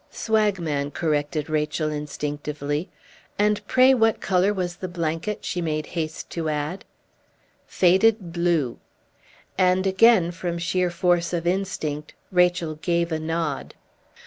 "Swagman," corrected Rachel, instinctively. "And pray what color was the blanket?" she made haste to add. "Faded blue." And, again from sheer force of instinct, Rachel gave a nod.